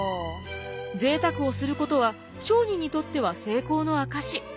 ぜいたくをすることは商人にとっては成功の証し。